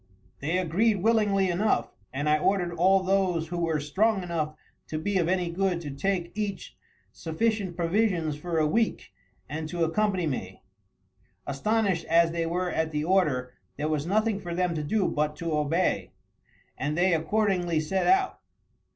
"They agreed willingly enough, and I ordered all those who were strong enough to be of any good to take each sufficient provisions for a week and to accompany me. Astonished as they were at the order, there was nothing for them to do but to obey, and they accordingly set out.